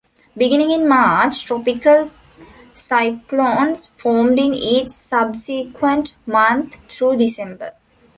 Beginning in March, tropical cyclones formed in each subsequent month through December.